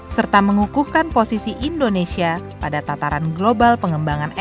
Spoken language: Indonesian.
serta mengukuhkan posisi indonesia pada tataran global pengembangan ekonomi